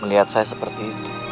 melihat saya seperti itu